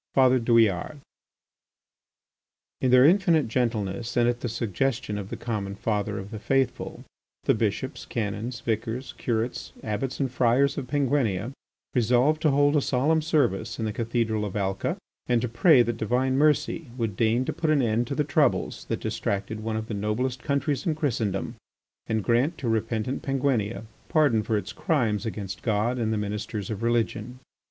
FATHER DOUILLARD In their infinite gentleness and at the suggestion of the common father of the faithful, the bishops, canons, vicars, curates, abbots, and friars of Penguinia resolved to hold a solemn service in the cathedral of Alca, and to pray that Divine mercy would deign to put an end to the troubles that distracted one of the noblest countries in Christendom, and grant to repentant Penguinia pardon for its crimes against God and the ministers of religion.